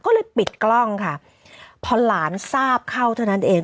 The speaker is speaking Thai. ก็เลยปิดกล้องค่ะพอหลานทราบเข้าเท่านั้นเอง